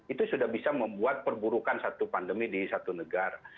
itu sudah bisa membuat perburukan satu pandemi di satu negara